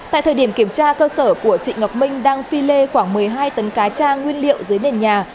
tại thời điểm kiểm tra cơ sở của chị ngọc minh đang phi lê khoảng một mươi hai tấn cá cha nguyên liệu dưới nền nhà